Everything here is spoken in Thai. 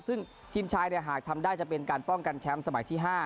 ซึ่งทีมชายหากทำได้จะเป็นการป้องกันแชมป์สมัยที่๕